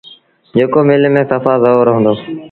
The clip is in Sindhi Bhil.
جيڪو مله ميݩ سڦآ زور هُݩدو۔